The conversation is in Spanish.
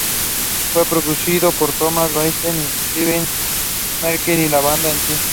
Fue producido por Thomas Bangalter, Steve Mackey y la banda en sí.